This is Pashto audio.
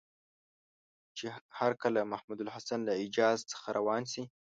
چې هرکله محمودالحسن له حجاز څخه روان شي.